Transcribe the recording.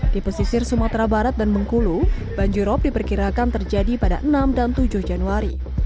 di pesisir sumatera barat dan bengkulu banjirop diperkirakan terjadi pada enam dan tujuh januari